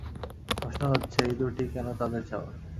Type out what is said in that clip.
প্রশ্ন হচ্ছে, এই দুটি কেন তাদের চাওয়া?